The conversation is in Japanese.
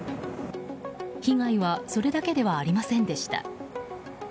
被害はそれだけではありませんでした。